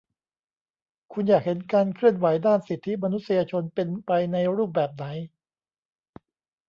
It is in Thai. "คุณอยากเห็นการเคลื่อนไหวด้านสิทธิมนุษยชนเป็นไปในรูปแบบไหน ?"